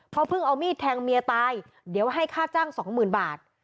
เขาเพิ่งเอามีดแทงเมียตายเดี๋ยวให้ค่าจ้างสองหมื่นบาท